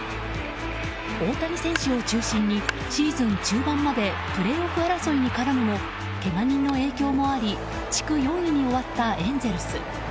大谷選手を中心にシーズン中盤までプレーオフ争いに絡むもけが人の影響もあり地区４位に終わったエンゼルス。